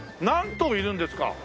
何頭いるんですか？